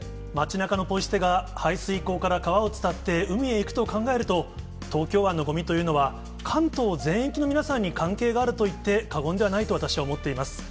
街なかのポイ捨てが排水口から川を伝って海へ行くと考えると、東京湾のごみというのは、関東全域の皆さんに関係があると言って過言ではないと私は思っています。